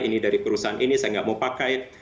ini dari perusahaan ini saya nggak mau pakai